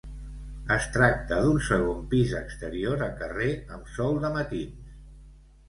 Es tracta d'un segon pis exterior a carrer amb sol de matins.